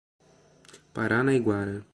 Paranaiguara